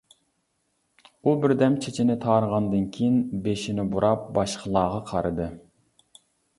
ئۇ بىردەم چېچىنى تارىغاندىن كېيىن بېشىنى بۇراپ باشقىلارغا قارىدى.